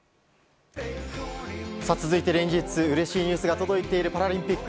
続いて、連日うれしいニュースが届いているパラリンピック。